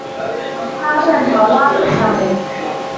他擅长蛙泳项目。